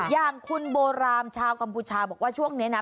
อย่างคุณโบรามชาวกัมพูชาบอกว่าช่วงนี้นะ